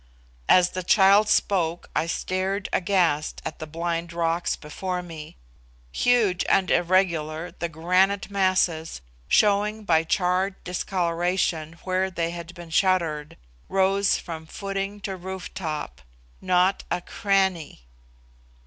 '" As the child spoke, I stared aghast at the blind rocks before me. Huge and irregular, the granite masses, showing by charred discolouration where they had been shattered, rose from footing to roof top; not a cranny!